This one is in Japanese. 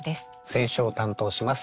選書を担当します